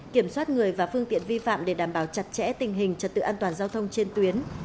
kiểm soát người và phương tiện vi phạm để đảm bảo chặt chẽ tình hình trật tự an toàn giao thông trên tuyến